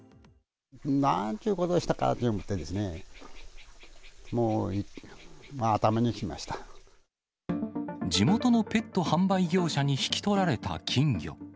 なんちゅうことをしたかと思地元のペット販売業者に引き取られた金魚。